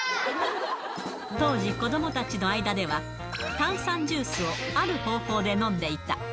当時、子どもたちの間では、炭酸ジュースをある方法で飲んでいた。